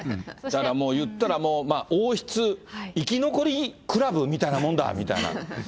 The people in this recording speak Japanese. だからいったらもう、王室生き残りクラブみたいなもんだと。